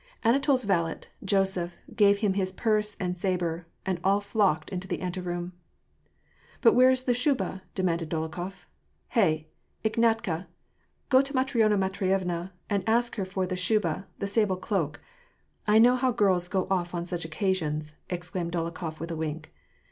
AnatoPs valet, Joseph, gave him his purse and sabre, and all flocked into the anteroom. " But where is the shuba ?" demanded Dolokhof. " Hey, Ignatka, go to Matriona Matveyevna, and ask her for the shuba — the sable cloak. I know how girls go off on such occasions," explained Dolokhof, with a wink.